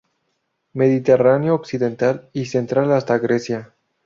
Mediterráneo occidental y central hasta Grecia.